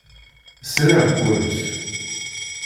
Sriɣ-kent.